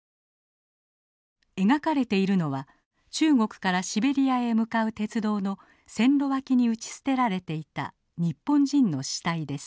描かれているのは中国からシベリアへ向かう鉄道の線路脇に打ち捨てられていた日本人の死体です。